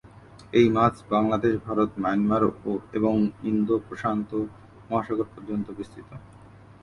এই মাছ বাংলাদেশ, ভারত, মায়ানমার এবং ইন্দো-প্রশান্ত মহাসাগর পর্যন্ত বিস্তৃত।